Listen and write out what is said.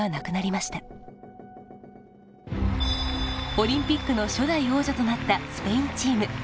オリンピックの初代王者となったスペインチーム。